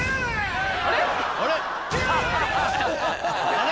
あれ⁉